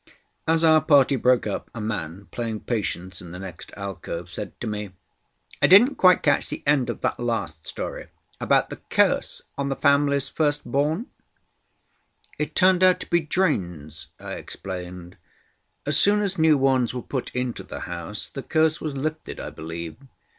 As our party broke up a man, playing Patience in the next alcove, said to me: "I didn't quite catch the end of that last story about the Curse on the family's first born." "It turned out to be drains," I explained. "As soon as new ones were put into the house the Curse was lifted, I believe.